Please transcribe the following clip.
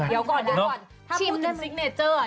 ถ้าเราพูดสิกเนเจอร์อ่ะ